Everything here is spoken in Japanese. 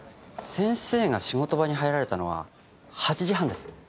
先生が仕事場に入られたのは８時半です。